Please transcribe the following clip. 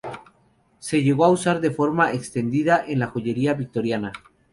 Se llegó a usar de forma extendida en la joyería victoriana.